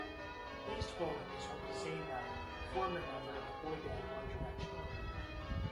East Bowling is home to Zayn Malik, former member of boyband One Direction.